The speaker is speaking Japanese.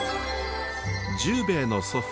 十兵衛の祖父